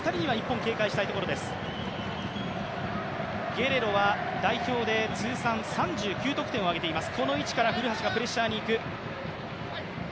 ゲレロは代表で通算３９得点を挙げています。